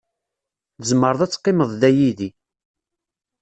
Tzemreḍ ad teqqimeḍ da yid-i.